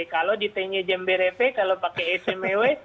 kalau di tnjmbrep kalau pakai hmw